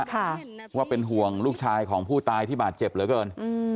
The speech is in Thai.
ค่ะว่าเป็นห่วงลูกชายของผู้ตายที่บาดเจ็บเหลือเกินอืม